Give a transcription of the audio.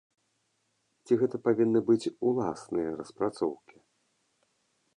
Ці гэта павінны быць уласныя распрацоўкі?